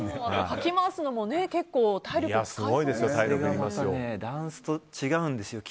かき回すのも結構体力使いそうですよね。